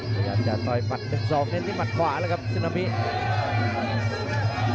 พยายามจะต่อยหมัด๑๒เน้นที่หัดขวาแล้วครับซึนามิ